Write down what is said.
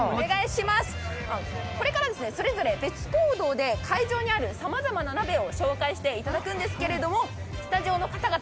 これから、それぞれ別行動で会場にあるさまざまな鍋を紹介していただくんですがスタジオの方々